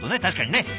確かにね。